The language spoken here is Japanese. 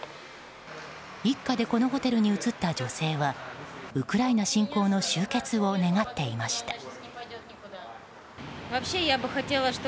一家でこのホテルに移った女性はウクライナ侵攻の終結を願っていました。